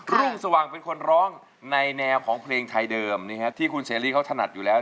รุ่งสว่างเป็นคนร้องในแนวของเพลงไทยเดิมที่คุณเชอรี่เขาถนัดอยู่แล้ว